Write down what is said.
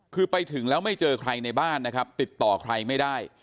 คือไปถึงแล้วไม่เจอใครในบ้านนะครับติดต่อใครไม่ได้